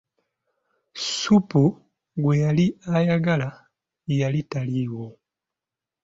Ssupu gwe yali ayagala yali taliyo.